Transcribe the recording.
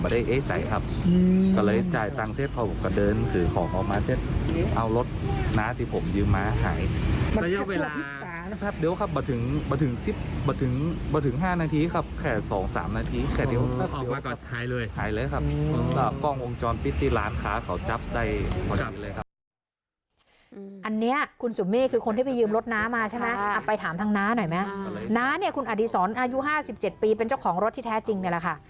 อดีตสอนอายุห้าสิบเจ็ดปีเป็นเจ้าของรถที่แท้จริงนี่แหละค่ะ